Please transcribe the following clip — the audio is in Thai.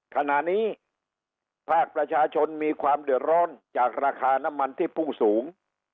ขณะนี้ภาคประชาชนมีความเดือดร้อนจากราคาน้ำมันที่พุ่งสูง